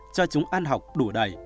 cho chúng ăn học đủ đầy